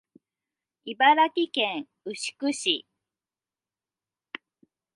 茨城県牛久市